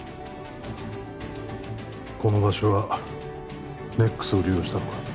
この場所はＮＥＸを利用したのか？